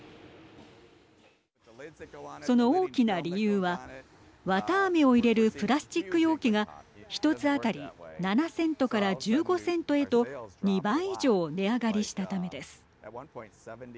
その大きな理由は綿あめを入れるプラスチック容器が１つ当たり７セントから１５セントへと２倍以上値上がりしたためです。